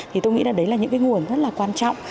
thì tôi nghĩ là đấy là những cái nguồn